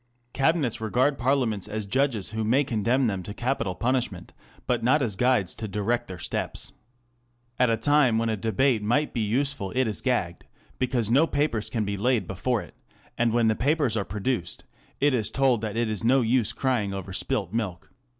Cabinets regard Parliaments as judges who may condemn them to capital punish ment, but not as guides to direct their steps. At a time when a debate might be useful it is gagged, because no papers can be laid Digitized by Google 666 THE CONTEMPORARY REVIEW. before it ; and when the papers are produced, it is told that it is no use crying over spilt milk.